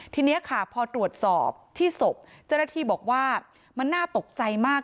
ทีนี้ค่ะพอตรวจสอบที่ศพเจ้าหน้าที่บอกว่ามันน่าตกใจมาก